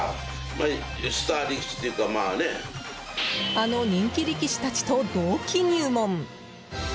あの人気力士たちと同期入門！